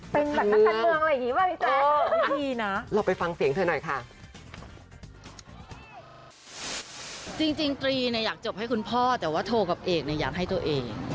เป็นบทบาทนักการเมืองอะไรอย่างนี้ป่ะพี่เจ๊